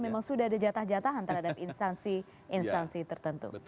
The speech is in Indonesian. memang sudah ada jatah jatahan terhadap instansi instansi tertentu